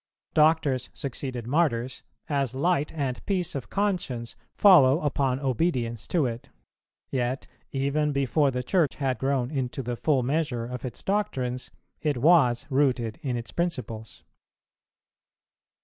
Doctors succeeded Martyrs, as light and peace of conscience follow upon obedience to it; yet, even before the Church had grown into the full measure of its doctrines, it was rooted in its principles.